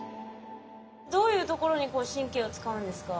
どういうところに神経を使うんですか？